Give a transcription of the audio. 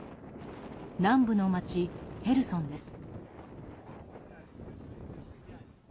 南部の街ヘルソンです。